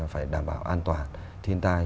phải đảm bảo an toàn thiên tai